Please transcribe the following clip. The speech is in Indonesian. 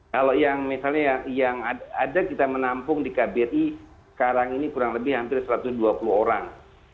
kalau yang misalnya yang ada kita menampung di kbri sekarang ini kurang lebih hampir satu ratus dua puluh orang